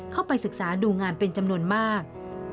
เข้าไปศึกษาดูงานเป็นจำนวนมาก